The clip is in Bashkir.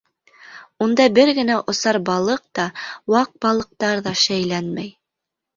Унда бер генә осар балыҡ та, ваҡ балыҡтар ҙа шәйләнмәй.